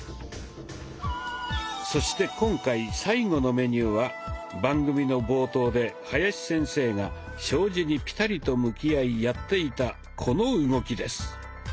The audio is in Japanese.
そして今回最後のメニューは番組の冒頭で林先生が障子にピタリと向き合いやっていたこの動きです。